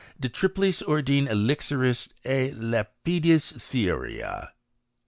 De Triplice Ordine Elixiris et LapidisTlbeorea.